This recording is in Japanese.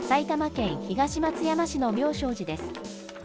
埼玉県東松山市の妙昌寺です。